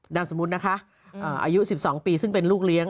นามสมมุตินะคะอายุ๑๒ปีซึ่งเป็นลูกเลี้ยง